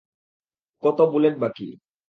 কত বুলেট বাকি?